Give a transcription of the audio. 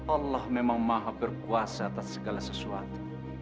allah memang maha berkuasa atas segala sesuatu